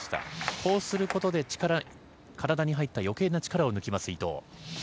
こうすることで体に入った余計な力を抜きます伊藤。